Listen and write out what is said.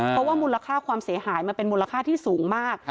เพราะว่ามูลค่าความเสียหายมันเป็นมูลค่าที่สูงมาก